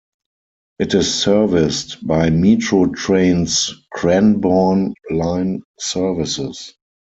It is serviced by Metro Trains' Cranbourne line services.